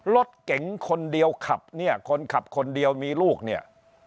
รถเก๋งคนเดียวขับเนี่ยคนขับคนเดียวมีลูกเนี่ย